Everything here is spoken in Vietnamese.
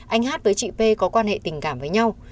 anh hát với chị p có quan hệ tình cảm với nhau